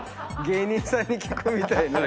芸人さんに聞くみたいな。